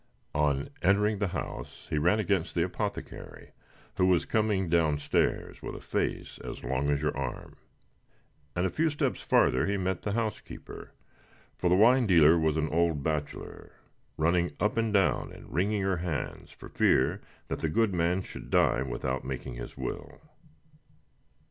On entering the house he ran against the apothecary, who was coming down stairs, with a face as long as your arm; and a few steps farther he met the housekeeper for the wine dealer was an old bachelor running up and down, and wringing her hands, for fear that the good man should die without making his will.